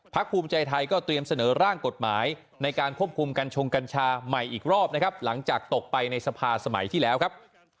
ภูมิใจไทยก็เตรียมเสนอร่างกฎหมายในการควบคุมกัญชงกัญชาใหม่อีกรอบนะครับหลังจากตกไปในสภาสมัยที่แล้วครับ